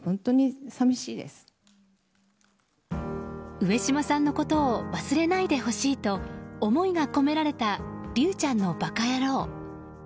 上島さんのことを忘れないでほしいと思いが込められた「竜ちゃんのばかやろう」。